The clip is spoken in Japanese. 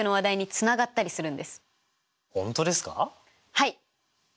はい！